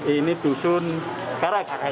ini dusun karak